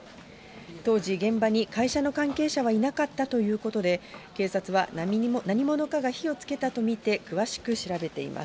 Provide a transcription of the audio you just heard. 当時、現場に会社の関係者はいなかったということで、警察は、何者かが火をつけたと見て、詳しく調べています。